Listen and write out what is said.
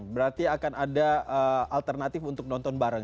berarti akan ada alternatif untuk nonton bareng